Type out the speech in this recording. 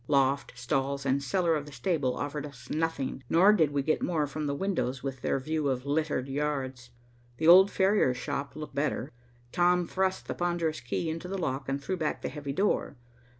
Loft, stalls and cellar of the stable offered us nothing, nor did we get more from the windows with their view of littered yards. The old farrier's shop looked better. Tom thrust the ponderous key into the lock and threw back the heavy door.